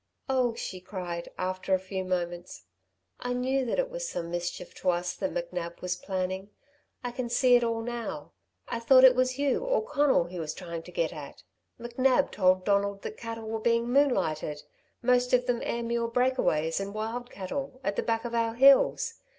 "Oh," she cried, after a few moments. "I knew that it was some mischief to us McNab was planning. I can see it all now. I thought it was you, or Conal, he was trying to get at. McNab told Donald that cattle were being moonlighted most of them Ayrmuir breakaways and wild cattle at the back of our hills.